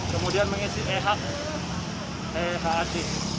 kemudian mengisi ehac